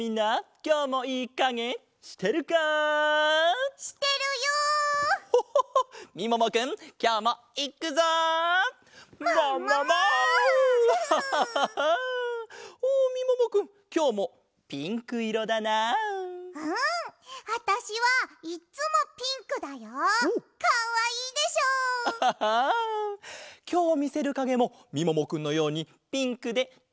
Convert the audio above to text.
きょうみせるかげもみももくんのようにピンクでかわいいんだぞ。